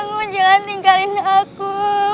bangun jangan tinggalin aku